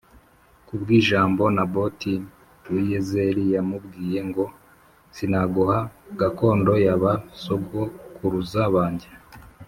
ku bw’ijambo Naboti w’i Yezerēli yamubwiye ngo “Sinaguha gakondo ya ba sogokuruza banjye”